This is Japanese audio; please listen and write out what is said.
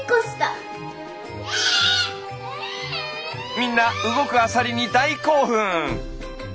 みんな動くアサリに大興奮。